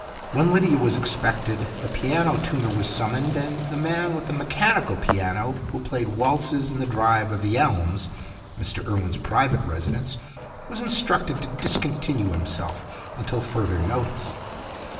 When Lydia was expected, the piano tuner was summoned, and the man with the mechanical piano, who played waltzes in the drive of The Elms Mr Urwen's private residence was instructed to discontinue himself until further notice.